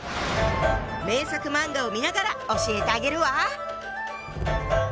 名作漫画を見ながら教えてあげるわ！